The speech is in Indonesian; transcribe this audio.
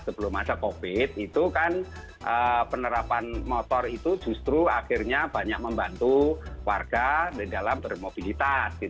sebelum masa covid itu kan penerapan motor itu justru akhirnya banyak membantu warga di dalam bermobilitas